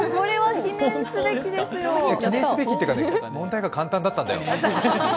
記念すべきというか、問題が簡単だったんだよ。